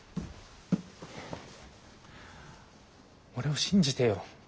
俺を信じてよ。